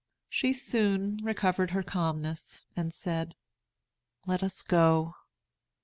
She soon recovered her calmness, and said, "Let us go."